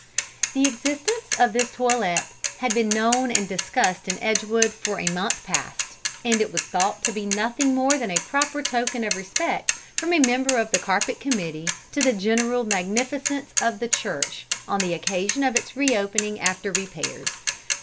The existence of this toilette had been known and discussed in Edgewood for a month past, and it was thought to be nothing more than a proper token of respect from a member of the carpet committee to the general magnificence of the church on the occasion of its reopening after repairs.